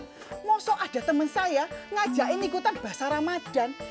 mwoso ada temen saya ngajakin ikutan bahasa ramadhan